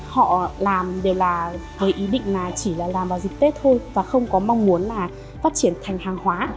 họ làm đều là với ý định là chỉ là làm vào dịp tết thôi và không có mong muốn là phát triển thành hàng hóa